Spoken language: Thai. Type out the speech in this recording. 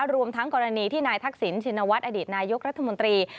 รวมทั้งกรณีที่นายทักษิณชินวัฒน์อดีตนายกรัฐมนตรี